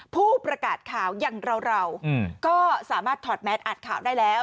ผู้ประกาศข่าวอย่างเราก็สามารถถอดแมสอ่านข่าวได้แล้ว